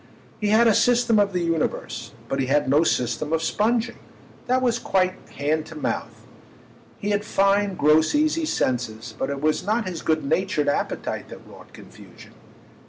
He had a system of the universe, but he had no system of sponging—that was quite hand to mouth. He had fine gross easy senses, but it was not his good natured appetite that wrought confusion.